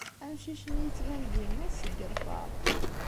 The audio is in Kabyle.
Amcic-nni yettban-d yemmut seg lfeṛḥ.